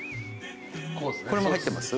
これも入ってます？